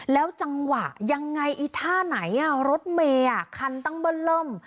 แล้วจังหวะยังไงไอ้ท่าไหนรถเมียคันตั้งแบลม